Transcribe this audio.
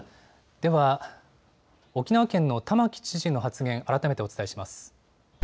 では、沖縄県の玉城知事の発言、改めてお伝えします。